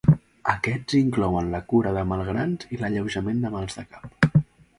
Aquests inclouen la cura de malgrans i l'alleujament de mal de caps.